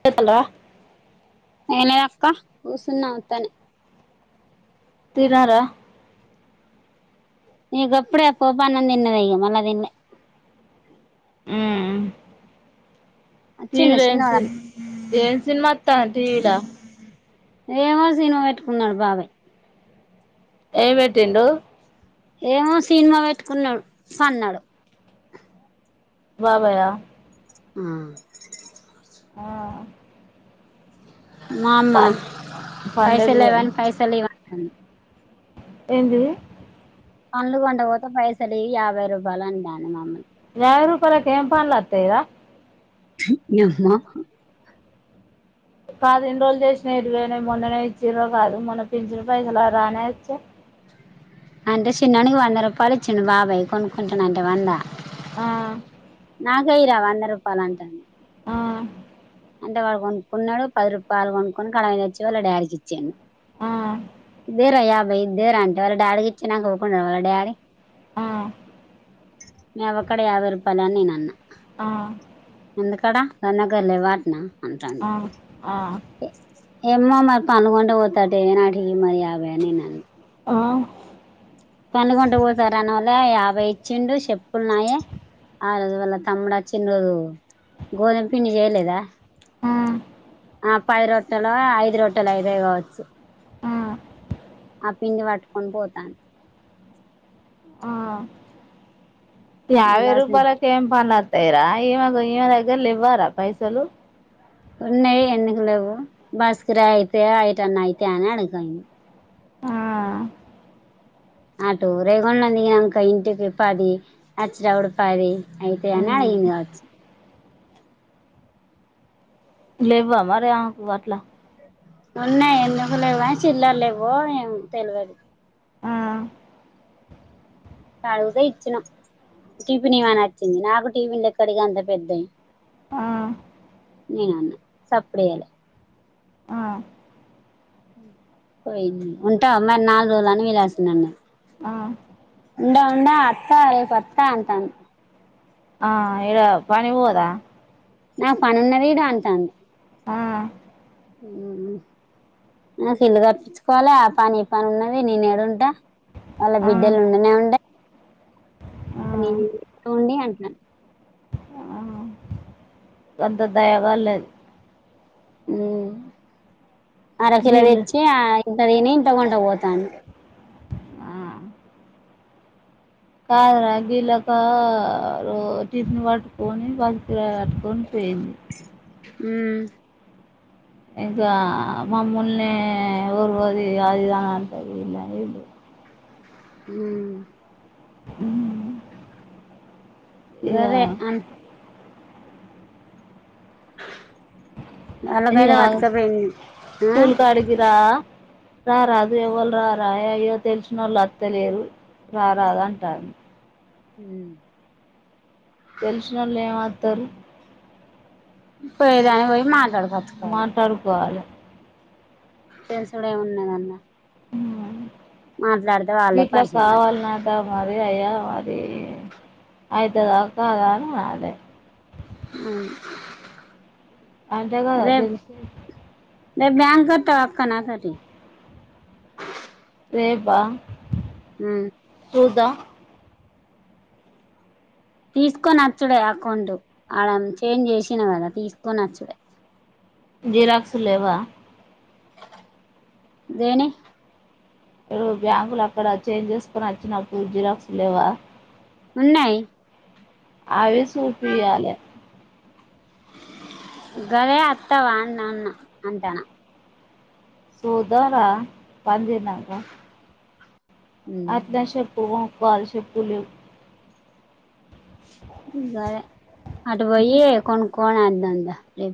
చేతలా ఏం లేదు అక్క కూసున్న ఉత్తగనే, తిన్నారా ఇగ గప్పుడే పోపనం తిన్నది మల్ల తినలే, ఊ టీవి అచ్చిండు ల ఏ చిన్నోడు సినిమా ఏన్ సినిమా, సుతారు టీ వి లా, ఏమో సినిమా పెట్టుకున్నాడు బాబాయ్, ఏమి పెట్టిండు, ఏమో సినిమా పెట్టుకున్నాడు పాన్నాడు, బాబాయ్ ఆ హు ఆ మా అమ్మ పన్ పన్నెడు పైసలు లేవని పైసలు ఇవన్న ఆ ఎంది పండ్లు కొండపోతే పైసలు ఈ యాభై రూపాయలు అంటాది మమ్మీ, యాభై రూపాయలకు ఏం పండ్లు వాతయి రా, చి [unintelligible] అమ్మా పదిహేను రోజులు చేసినా ఎరువనా మొన్ననే ఇచ్చ్ర కాదు మొన్న పిించిన పైసలు రానే వచ్చ అంటే చిన్ననికి వంద రూపాయలు ఇచ్చిండు బాబాయ్ కొనుకుంటాను అంటే వందా ఆ ఇయ్యి రా వంద రూపాయలు అంటాంది ఆ అంటే వాడు కొనుక్కున్నాడు పది రూపాయలు కొనుక్కకుని [unintelligible] తెచ్చి వాళ్ళ డాడీ కి ఇచ్చాను ఆ ఇదేరా యాభై ఇ దేర అే వాళ్ళ డాీకి ఇచ్చి నాకువకుంండ వాళ్ళ డాడీ ఆ మి అవ్వక్కడ యాభై రూపాయలు అని నేను అన్నా ఆ ఆ ఎందుకడా సనకల్ వా నా అంటంది ఆ ఏమ్మ మరి పనుకుంటే పోతాడుే నాటికి మరి అవన్ని నన్న ఆ పండుగొంట పోతారు అనివల్ల యాభై ఇచ్చిండు చెప్పులున్నాయి ఆ రోజు జ వల్ల తమ్ముడు వచ్చిండు రోజు గోధుమ పిండి చేయలేదా ఆ ఆ పై రొట్టలు ఐదు రొట్టలు ఐదే కావచ్చు ఆ పిండి పట్టుకొని పోతాను ఆ యాబై విలాసం రూపాయలోకేం పనీ వస్త రా ఈవగ ఈమె దగ్గర లెవ్వు ఆరా పైసలు ఉన్నాయి ఎన్నిక లేవు బస్కిరా అయితే అఐటన్న అయితే అని అడిగాంది ఆ ఆ టూ రేగండందికింకా ఇంటికి పది వచ్చినప్పుడు పది అయితే అని అడిగింది కావచ్చు లేవా అరిేకు వాట్లా ఉన్నాయి ఎందుకు లేవు చిల్లర్ లేవ్వో ఏం తెలువదు ఆ అడుగుతే ఇచ్చినా టిఫిన్ ఇమ నచ్చింది నాకు టిఫిన్ లెక్కడికి అంత పెద్దవి ఆ నేను అన్న సప్పుడే చెయ్యాలా ఆ పోయింది ఉంటా మరి నాలుగు రోజులని [unintelligible] ఆ ఉం ఉండా అత్త రేపుత్త అంటను ఆ ఇడ పనిి పోదా నాకు పనున్న ఈడ అంటాంది ఆ సిల్లు కర్పించుకోవాలి ఆ పని ఈ పని ఉన్నది నేనే ఎడుంటా వాళ్ళ ఆ బిడ్డలు ఉండనే ఉండ ఆ ఇకా [unintelligible] అంటున్నాను ఆ ఎంత దయగల్లు అ అర కిలో వీళ్ళు తెచ్చి ఆ ఇంత తిని ఇంకకుండా పోతాను కాదు రాగిలలోక రో టిఫన్ పట్టుకొని పసికిరా కట్టు కొనిపోయింది హ ఇంక మ్మళ్న వూర్వది అది గ అంటరు వెయి బు ఉ హ గరే అ అయ్య వాళ్ళకైతే పట్టుకపోయింది ఆ స్కూల్ కాఅడికిరా రారదు ఎవరు రారా అయ్యో తెలిసిన వాళ్ళు అర్త్తలేరు రారదు అంటారు అ తెలిసిన వాళ్ళు ఏమతారు పోయదాని పోయి మాట్లాడుకు మాట్లాడుకోవాలి తెలుసుడు ఏమున్నాద అన్న వాళ్ళే వీట్లా పరిచయం అయి కావాలనంట మరి అయ్యా అది అయితద కాద అని అదే అ అంటే కదా తెలుసేది ద బ్యాంకట్ట వక్కన్నా తోటి రేపా ఆ చూద్దాం మ్ తీసుకొని వచ్చుడే అకౌంట్ ఆడ చేంజ్ చేసినా కదా తీసుకొని వచ్చు డే జిరాక్సులులేవా దేని ఇడు బ్యాంకులు అక్కడ చేంజ్ చేసుకుొని వచ్చినప్పుడు జిరాక్స్ లేవా ఉన్నాయి అవి సూపియాలే గదే అత్తవా అన్న అంటానా సుథారా పిజీన గా ఉమ్ ఆత్ దశబ్ పూవుం కాల్ షిప్పులు సరే అటు పోయి కొనుక్కొని అద్దం దా రే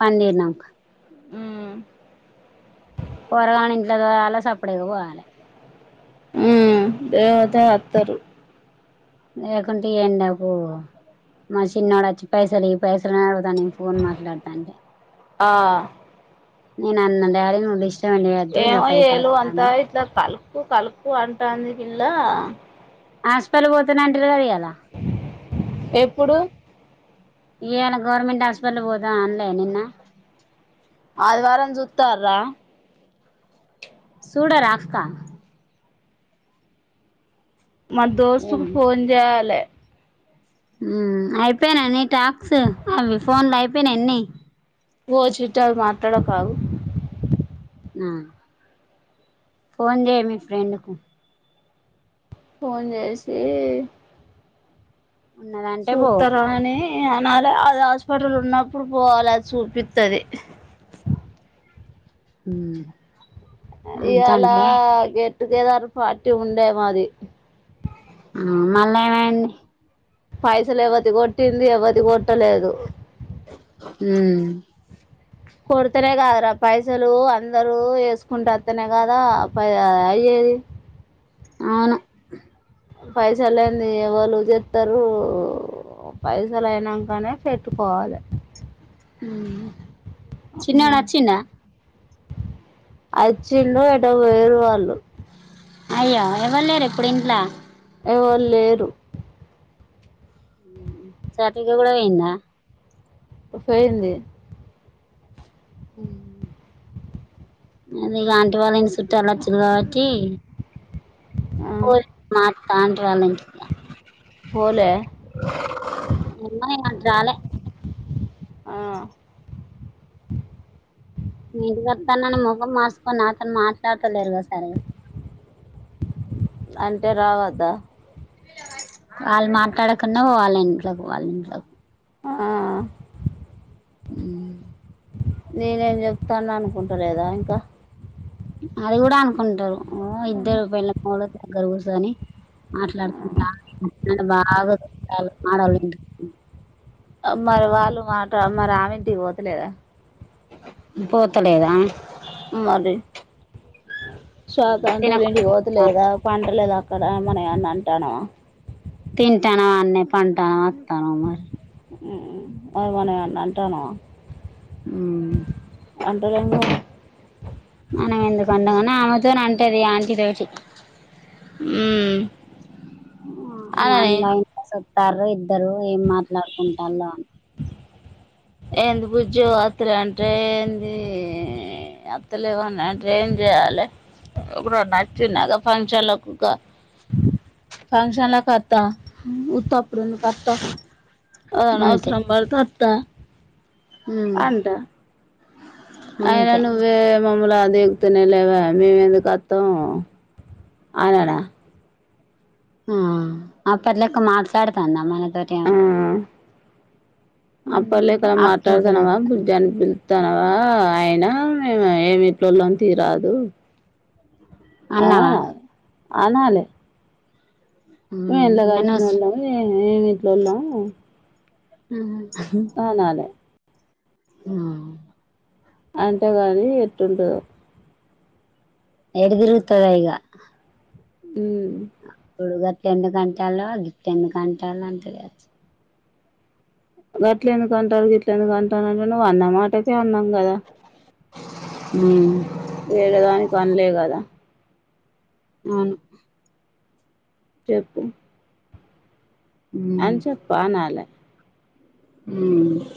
పన్నీర్ నాకా ఉ పొరగా ఇంట్లో దోమలా సప్పడికి పోవాలే ఉ దేవాత అత్తరు లేకుంటే ఏండకు మా చిన్నోడు వచ్చి పైసలు ఈ పైసలు అడదాని ఫోన్ మాట్లాడతా అంటే ఆ న నన్న డాడి నోడి ఇష్ట ఏమ్యలు అంతా ఇట్లా కలుకు కలుకు అంటాంది ఇలా ఆాపిల్ పోతున్నా అంటలు కరయాలి ఎప్పుడు ఏను గవర్నమెంట్ హాస్పిటల్ పోదు అన్లే నిన్న ఆది వారం సుతారరా సూడ రాతా మా దోస్తుకు ఫోన్ చేయాలి అయిపోయినన్నిీ టాక్స్ అవి ఫోన్ లో అయిపోయినాన్ని ఓ చీట్ మాట్లాడ కాదు ఆ ఫోన్ చేయ మీ ఫ్రెండ్కు ఫోన్ చేసి ఉన్నదంటే సూపు పో తరనే అనాల అది హాస్పిటల్ ఉన్నప్పుడు పోవాలి అది చూపిస్తుది హ ఇ్యలా గెట్ ఇటుకి ఏద పాటిటీ ఉండే మాది మళమడి పైసలు ఎవత్ కొట్టింది ఎవత్ ది కొట్టలేదు అ కొడుతనే కాదరా పైసలు అందరూ వేసుకుంటేస్తనే కదా ప అయ్యేది అవును పైస లేంది ఎవళు చెతారు పైసలు అయినాకనే పెట్టుకోవాలి అ చిినడు చి నా అచ్చంద ఏంటా వేరు వాళ్ళు అయ్యో ఇవ్వలేరు ఇప్పుడు ఇంట్లా ఎవరు లేరు చటిగా కూడా వె్యందా పోయింది ఉ అది ఇక ఆంటి వాళ్ళ ఇంటి చుట్టూలా వచ్చింది కాబట్టి ఆ, మా తాండ్రాలం పోలే అన్న జాలే ఆ నేదికతానని ముఖం మాార్సుకొని అతను మాట్లాడటలేరుగా సరిగా అంటే రావద్దా వాళ్ళు మాట్లాడకున్నా వాళ్ళ ఇంట్లకు వాళ్ళ ఇంట్లకు ఆ ఉ నేనేం చెప్తాను అనుకుంటలేదా ఇంకా అది కూడా అనుకుంటారు ఇద్దరూ [unintelligible] అక్కడా కూర్చొని మాట్లాడుకుంట ఉన్నారు నన్ను బాగా [unintelligible] మరి వాళ్ళు మాట మరి ఆమెంటికి పోతలేదా పోతలేదా మరి శ్వాతంటూలు తినకుండా ఇంటికి కూర్చుంటాను పోతలేదా పంటగ లేదు అక్కడ మన అన్న అంటాను తింటాన [unintelligible] ఆ మనం ఏమన్న అంటున్నామా ఆ అంటలేం కదా మనం ఎందుకు అంటాం గాని నా అమతోనే అంటది ఆంటీతోోటి ఉ అననీ ంటారు ఇద్దరు ఏం మాట్లాడుకుంటరో అని ఎంది పుజో అత్ర అంట ఏంది అత లేవు టైన్ చేయాలి ఇప్పు నచ్చినక ఫంక్షన్ ఫంక్షన్ లకు అత్త డు కు అత్త అవసరం పడతాది త్త హ అయన నువ్వే [unintelligible] [unintelligible] త్త అనడా ఆ అ పిల్ల ఇక మాట్లాడుతాంద మన తోటి అక్కింట్లో చూత్తాంది [unintelligible] తానవా అయినా మేము ఏమి ఇట్ల్లోని తీరాదు అన్నవా అవున కాదా అనాలే మ ఎంత నేను కాలుషన ఏ ఇట్లోలా హ అనాలే ఆ అంటే కానీ ఏటా ఉంటాదో ఎటుతిరుగుతదో ఈగ ద తడు గట్ల ఎందుకు అంతండ్ల గిట్ల ఎందుకు అంతండ్ల కావచ్చు గట్ల ఎందుకు అంటారు గట్ల ఎందుకు అంటారు అంటే నువ్వు అన్నా మాటకే అన్నాం కదా హ వేరే దానికి పనలే కదా అవును చెప్పు అనుసప్పనాల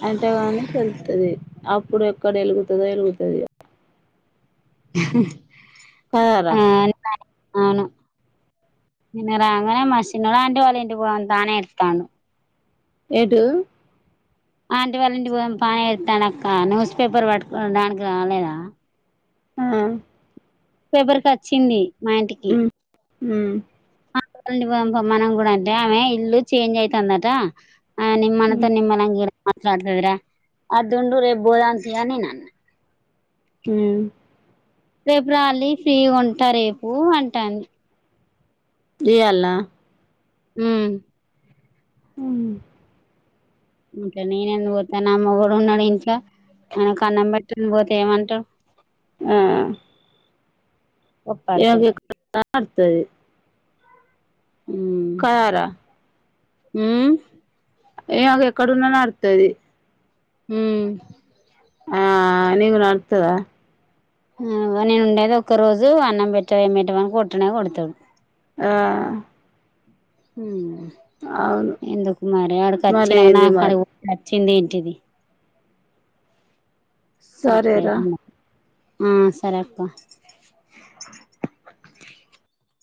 అంటగానే తెలుస్తాది ఇప్పుడు ఎక్కడ ఎలుగుతదొ వెలుగుతది కరరా ఆ అవును నిన్న రాంగనే మా చిన్నమా వాళ్ళ ఇంటికి పోదాం రా అని ఎడుటందు ఎటు ఆంటి వాళ్ళ ఇంటికి పోదాం పా ఎదుతందు అక్క న్యూస్ పేపర్ పట్టుకో దానికి రాలేదా ఆ పేపర్కి వచ్చింది మా ఇంటికి హ మనం కూడా అంటే ఆమె ఇల్లు చేంజ్ అయితుందట ఆ నిమ్ మనతో నిమ్మల్ంగ మాట్లాడుతుంది వధూ రేబ్బోద అంత యనీ నన్న అ రేపుర్ అళ్ళి ఫ్రీ ఉంటా రేపు అంటాను జాల హ అ అంట నేను ఎన్న పోతా నా మొగుడు ఉన్నాడు ఇంట్లో ఆయనకు అన్నం పెట్టకపోతే ఏమంటారు ఆ ఒప్పడుతుడు అతుది కారా హ ఏ ఒక ఎక్కడున్నా నడ్తది హుమ్ ఆ నీకు నడ్తదా ఉం నేను ఉండేది ఒక్క రోజు అన్నం పెట్ట ఏమేట వక్ కొట్టనే కొడతాడు ఆ హుమ్ అవును ఎందుకు మరి అడికీ అచ్చి నువ్ మరేంది నాక్ మరి అడుగు చిందేంటిది సరేరా ఉమ్ సరే అక్క